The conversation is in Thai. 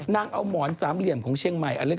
นางเอามอนสามเหลี่ยนของเช่งมายอ่ะเล็กอ่ะ